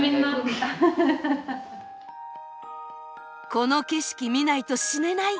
「この景色見ないと死ねない！！